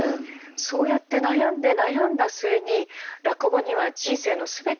そうやって悩んで悩んだ末に落語には人生の全てが出ると。